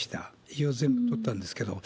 胃を全部取ったんですけれども。